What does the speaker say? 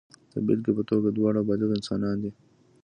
د بېلګې په توګه دواړه بالغ انسانان دي.